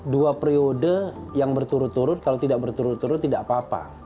dua periode yang berturut turut kalau tidak berturut turut tidak apa apa